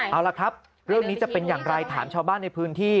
เอาล่ะครับเรื่องนี้จะเป็นอย่างไรถามชาวบ้านในพื้นที่